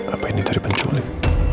apa ini dari penculik